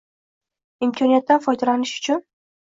Imkoniyatdan foydalanish uchun